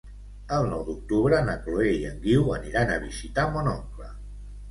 El nou d'octubre na Chloé i en Guiu aniran a visitar mon oncle.